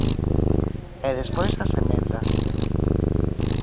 E despois as emendas.